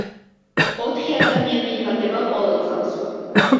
ოთხი ადამიანი იბადება ყოველ წამს